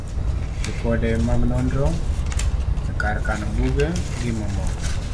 ripode mag nonro e kar kano buge, gi mamoko